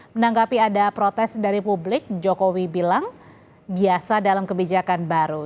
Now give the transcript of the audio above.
menanggapi ada protes dari publik jokowi bilang biasa dalam kebijakan baru